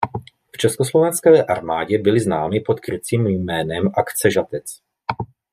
V československé armádě byly známy pod krycím jménem Akce Žatec.